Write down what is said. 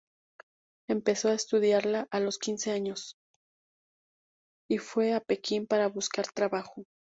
Empezó a estudiarla a los quince años, y fue a Pekín para buscar trabajo.